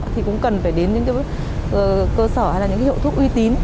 thì cũng cần phải đến những cái cơ sở hay là những hiệu thuốc uy tín